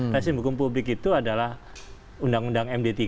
resim hukum publik itu adalah undang undang md tiga